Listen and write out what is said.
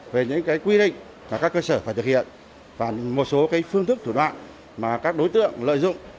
về những quy định là các cơ sở phải thực hiện và một số phương thức thủ đoạn mà các đối tượng lợi dụng